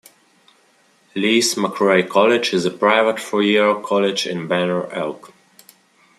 Lees-McRae College is a private four-year college in Banner Elk.